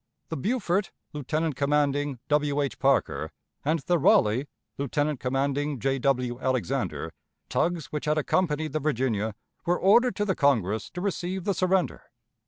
The Beaufort, Lieutenant commanding W. H. Parker, and the Raleigh, Lieutenant commanding J. W. Alexander, tugs which had accompanied the Virginia, were ordered to the Congress to receive the surrender.